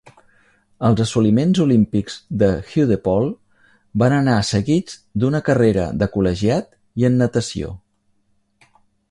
Els assoliments olímpics de Hudepohl van anar seguits d'una carrera de col·legiat i en natació.